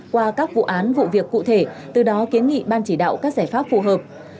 qua các vụ án vụ việc cụ thể từ đó kiến nghị ban chỉ đạo các giải pháp phù hợp